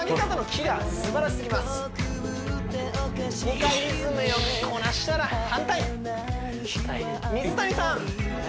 ２回リズムよくこなしたら反対反対水谷さん